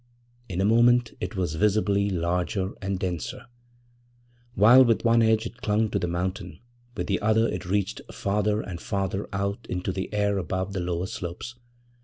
In a moment it was visibly larger and denser. While with one edge it clung to the mountain, with the other it reached farther and farther out into the air above the lower slopes.